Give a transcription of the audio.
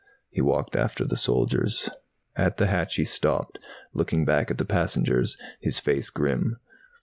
He walked after the soldiers. At the hatch he stopped, looking back at the passengers, his face grim.